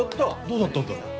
どうだったんだろう。